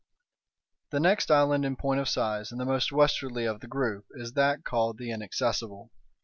The next island in point of size, and the most westwardly of the group, is that called the Inaccessible.